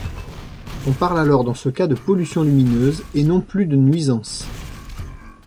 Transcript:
On parle alors dans ce cas de pollution lumineuse et non plus de nuisances.